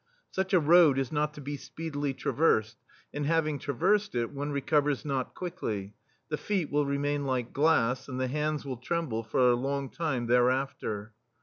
Such a road is not to be speedily traversed, and having traversed it, one recovers not quickly — the feet will remain like glass, and the hands will tremble for a long time thereafter.